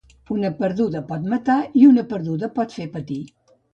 Una perduda pot matar i un perduda pot fer patir.